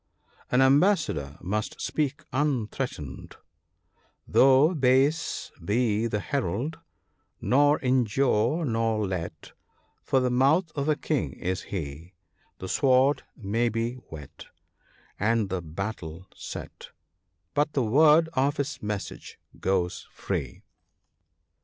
An ambassador must speak unthreatened, —" Though base be the Herald, nor injure nor let, For the mouth of a king is he ; The sword may be whet, and the battle set, But the word of his message goes free."